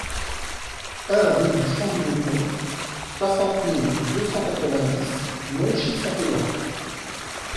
un rue du Champ du Mouton, soixante mille deux cent quatre-vingt-dix Monchy-Saint-Éloi